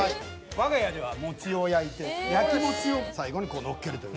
我が家では餅を焼いて焼き餅を最後にのっけるという。